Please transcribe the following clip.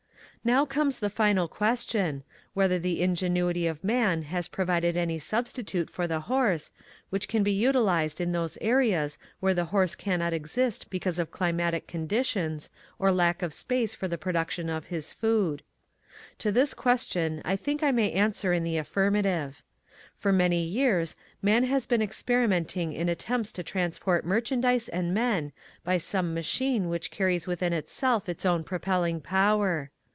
Now comes the final question, whether the ingenuity of man has provided any substitute for the horse, which can be utilized in those areas where the horse cannot , exist because of climatic condi tions or lack of space for the production of his food. To this question I think I may answer in the affirmative. For many years man has been experimenting in attempts to transport merchandise and men by some machine which carries within itself its own propelling power.